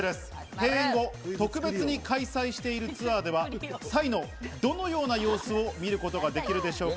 閉園後、特別に開催しているツアーでは、サイのどのような様子を見ることができるでしょうか？